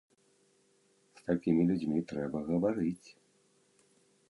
З такімі людзьмі трэба гаварыць.